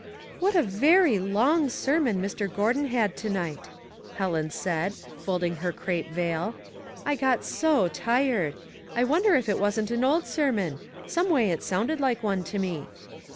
'* What a very long sermon Mr. Gordon had to night !" Helen said, folding her crape vail. '* I got so tired. I wonder if it wasn't an old sermon? Someway it sounded like one to me."